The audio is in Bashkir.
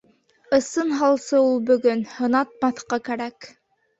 Ысын һалсы ул бөгөн! һынатмаҫҡа кәрәк.